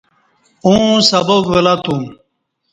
اوں سباق ولہ توم۔